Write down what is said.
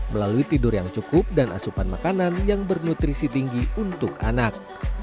melalui tidur yang cukup dan asupan makanan yang bernutrisi tinggi untuk anak